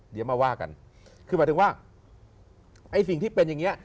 เดี๋ยวมาว่ากันคือหมายถึงว่าไอ้สิ่งที่เป็นอย่างเงี้